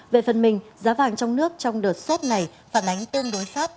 về phần mình giá vàng trong nước trong đợt sốt này phản ánh tương đối sát